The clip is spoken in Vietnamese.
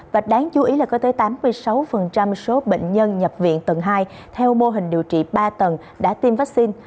và đáng chú ý là có tới tám mươi sáu số bệnh nhân nhập viện tầng hai theo mô hình điều trị ba tầng đã tiêm vaccine